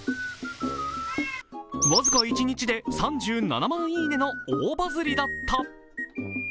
わずか一日で３７万いいねの大バズリだった。